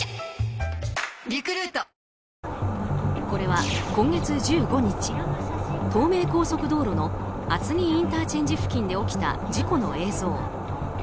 これは今月１５日東名高速道路の厚木ＩＣ付近で起きた事故の映像。